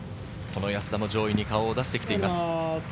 この安田も上位に顔を出してきています。